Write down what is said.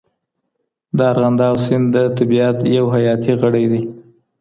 د ارغنداب سیند د طبیعت یو حیاتي غړی دی.